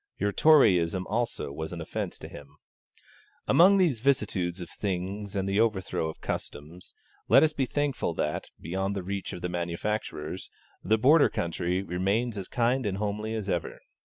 Your Toryism also was an offence to him. Among these vicissitudes of things and the overthrow of customs, let us be thankful that, beyond the reach of the manufacturers, the Border country remains as kind and homely as ever.